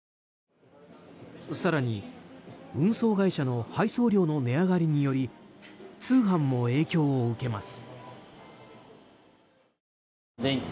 更に、運送会社の配送料の値上がりにより通販も影響を受けます。